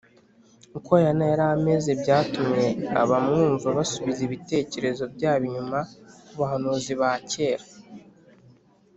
Uko Yohana yari ameze byatumye abamwumva basubiza ibitekerezo byabo inyuma ku bahanuzi ba kera